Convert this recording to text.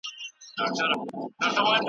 څېړونکی د متن کمزورۍ ولي څرګندوي؟